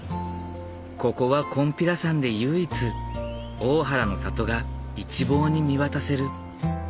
ここは金毘羅山で唯一大原の里が一望に見渡せる。